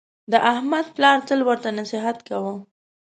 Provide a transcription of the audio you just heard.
د احمد پلار تل ورته نصحت کاوه: